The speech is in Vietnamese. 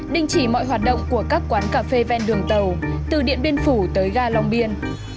đình chỉ mọi hoạt động của các quán cà phê ven đường tàu từ điện biên phủ tới ga long biên